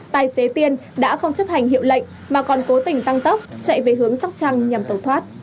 tài xế tiên đã không chấp hành hiệu lệnh mà còn cố tình tăng tốc chạy về hướng sóc trăng nhằm tẩu thoát